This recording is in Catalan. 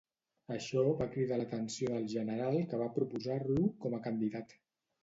Això va cridar l'atenció del general que va proposar-lo com a candidat.